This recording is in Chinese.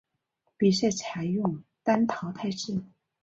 比赛采用单淘汰制。